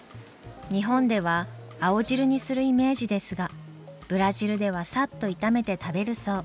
日本では青汁にするイメージですがブラジルではサッと炒めて食べるそう。